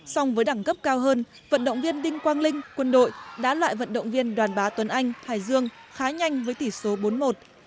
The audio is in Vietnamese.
song với đẳng cấp cao hơn vận động viên đinh quang linh quân đội đã loại vận động viên đoàn bá tuấn anh hải dương khá nhanh với tỷ số bốn một